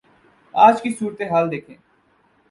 آج کی صورتحال دیکھیں۔